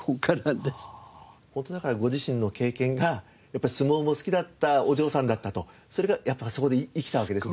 ホントだからご自身の経験がやっぱり相撲も好きだったお嬢さんだったとそれがやっぱりそこで生きたわけですね。